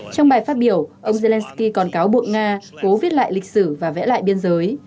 trong bài phát biểu ông zelensky còn cáo buộc nga cố viết lại lịch sử và vẽ lại biên giới